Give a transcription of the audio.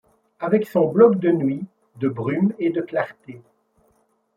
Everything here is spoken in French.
Avec son bloc de nuit, de brume et de clarté